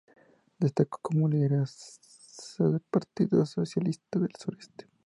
Destacó como lideresa del Partido Socialista del Sureste.